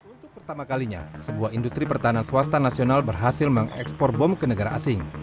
untuk pertama kalinya sebuah industri pertahanan swasta nasional berhasil mengekspor bom ke negara asing